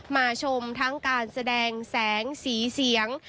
มาชมทั้งการแสดงแสงสีเสียง